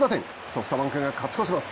ソフトバンクが勝ち越します。